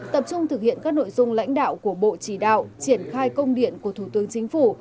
tập trung thực hiện các nội dung lãnh đạo của bộ chỉ đạo triển khai công điện của thủ tướng chính phủ